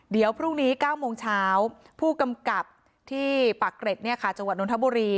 เดี๋ยวพรุ่งนี้๙โมงเช้าผู้กำกับที่ปากเกร็ดจังหวัดนทบุรี